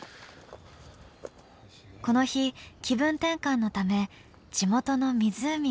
この日気分転換のため地元の湖を訪れました。